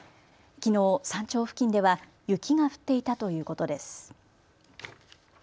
きのう山頂付近では雪が降っていたということです。